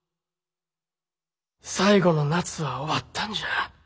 最後の夏は終わったんじゃ。